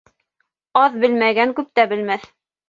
Аҙ белмәгән күп тә белмәҫ.